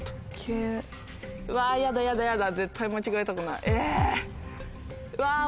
うわ